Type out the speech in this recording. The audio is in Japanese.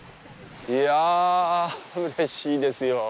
いや、うれしいですよ。